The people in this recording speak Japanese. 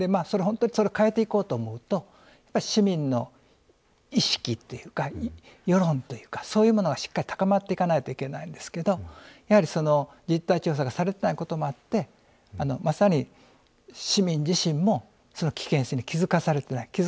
それを本当に変えていこうと思うと市民の意識というか世論というかそういうものがしっかり高まっていかないといけないんですけどやはり実態調査がされてないこともあってまさに市民自身も危険性に気付かされてない。